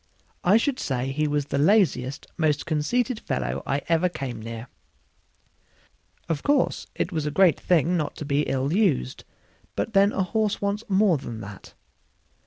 I should say he was the laziest, most conceited fellow I ever came near. Of course, it was a great thing not to be ill used, but then a horse wants more than that.